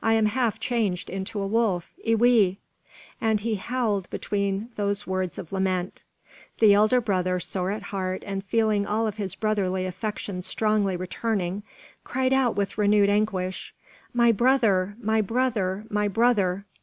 I am half changed into a wolf, E wee!" And he howled between these words of lament. The elder brother, sore at heart and feeling all of his brotherly affection strongly returning, cried out with renewed anguish, "My brother! my brother! my brother!"